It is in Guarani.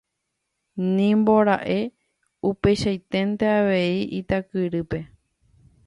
Nimbora'e upeichaiténte avei Itakyrýpe.